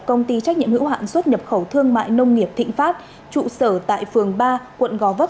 công ty trách nhiệm hữu hạn xuất nhập khẩu thương mại nông nghiệp thịnh pháp trụ sở tại phường ba quận gò vấp